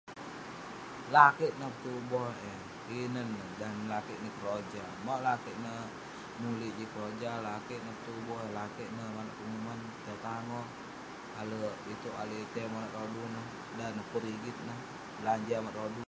Lakeik neh petuboh eh, tinen neh dan ne lakeik neh keroja. Mauk lakeik neh mulik jin keroja, lakeik neh petuboh eh, lakeik neh maneuk penguman, pitah tangoh, alek iteuk alek itei monak rodu neh dan neh pun rigit neh, belanja monak rodu.